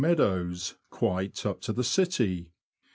meadows, quite up to the city.